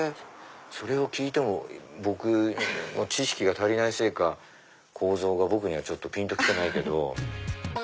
それを聞いても僕の知識が足りないせいか構造が僕にはぴんと来てないけど。